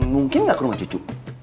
mungkin nggak ke rumah cucu